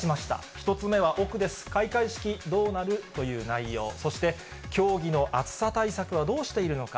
１つ目は奥です、開会式どうなるという内容、そして競技の暑さ対策はどうしているのか。